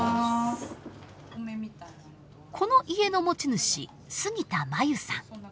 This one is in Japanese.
この家の持ち主杉田真由さん。